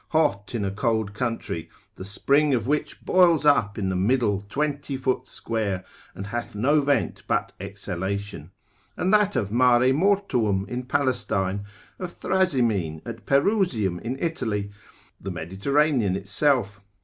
hot in a cold country, the spring of which boils up in the middle twenty foot square, and hath no vent but exhalation: and that of Mare mortuum in Palestine, of Thrasymene, at Peruzium in Italy: the Mediterranean itself.